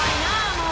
もう。